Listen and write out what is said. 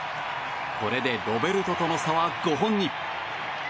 これでロベルトとの差は５本に。